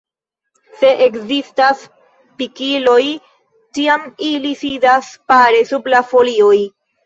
Se ekzistas pikiloj tiam ili sidas pare sub la folioj.